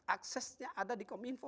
aksesnya ada di kominfo